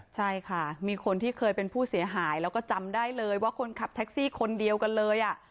ใช่ค่ะมีคนที่เคยเป็นผู้เสียหายแล้วก็จำได้เลยว่าคนขับแท็กซี่คนเดียวกันเลย